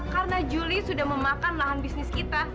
karena julie sudah memakan lahan bisnis kita